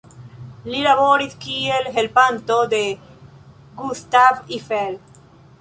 Li laboris kiel helpanto de Gustave Eiffel.